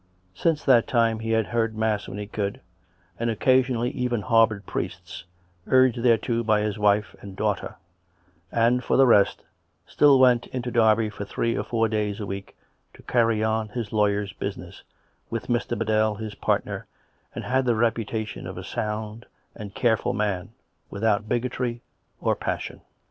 Since that time he had heard mass when he could, and occasionally even har boured priests, urged thereto by his wife and daughter; and, for the rest, still went into Derby for three or four days a week to carry on his lawyer's business, with Mr. Biddell his partner, and had the reputation of a sound and careful man without bigotry or passion.